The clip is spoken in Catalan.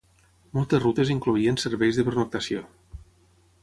Moltes rutes incloïen serveis de pernoctació.